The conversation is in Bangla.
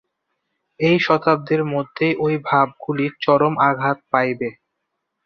এই শতাব্দীর মধ্যেই ঐ ভাবগুলি চরম আঘাত পাইবে।